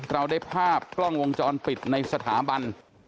เราได้ภาพกล้องวงจรปิดในสถาบัน